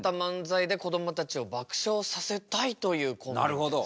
なるほど。